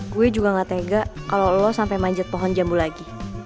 gue juga gak tega kalau lo sampai manjat pohon jambu lagi